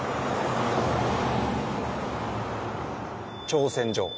挑戦状。